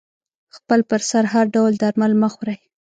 خپل پر سر هر ډول درمل مه خوری